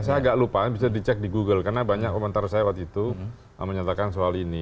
saya agak lupa bisa dicek di google karena banyak komentar saya waktu itu menyatakan soal ini